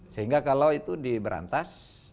sehingga kalau itu diberantas